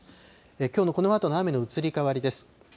きょうのこのあとの雨の移り変わりです。